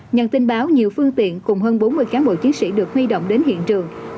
nhận tin báo nhiều phương tiện cùng hơn bốn mươi cán bộ chiến sĩ được huy động đến hiện trường